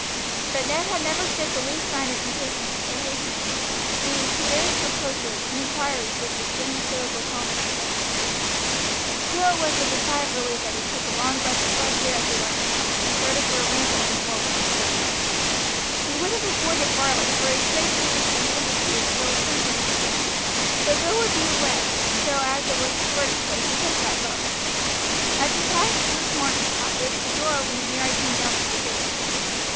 But Ned had never showed the least sign of impatience or hastiness, meeting tears, reproaches, and inquiries with the same stoical calmness and gentleness. Still it was with a sigh of relief that he took a long breath of fresh air as he left the house and started for a ramble on the moor with his brother. He would have avoided Varley, for he shrank even from the sympathy which Bill Swinton would give; but Bill would be away, so as it was the shortest way he took that road. As he passed Luke Marner's cottage the door opened and Mary came down to the gate.